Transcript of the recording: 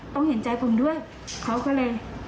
เห็นใจผมด้วยเขาก็เลย